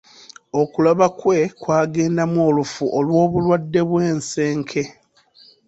Okulaba kwe kwagendamu olufu olw'obulwadde bw'ensenke.